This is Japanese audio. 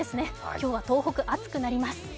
今日は東北、暑くなります。